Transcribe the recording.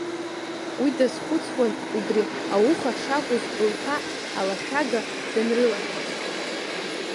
Уи дазхәыцуан убри ауха шакәыз лԥа алашәага данрылашәаз.